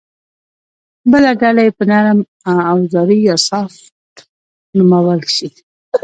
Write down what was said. بله ډله یې به نرم اوزاري یا سافټ نومول شي